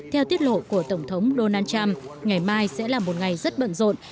theo tiết lộ của tổng thống donald trump ngày mai sẽ là một ngày rất bận rộn